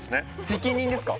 責任ですか？